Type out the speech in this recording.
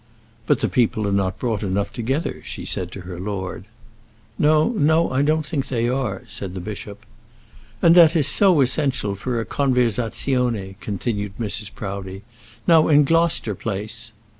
"But the people are not brought enough together," she said to her lord. "No, no; I don't think they are," said the bishop. "And that is so essential for a conversazione," continued Mrs. Proudie. "Now in Gloucester Place